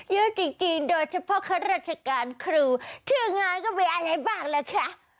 เยอะจริงโดยเฉพาะข้าราชการครูชื่องานก็มีอะไรบ้างล่ะคะ